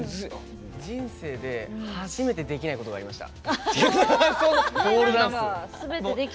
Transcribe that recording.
人生で初めてできないことがありました。